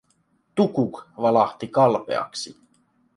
Tukuk valahti kalpeaksi.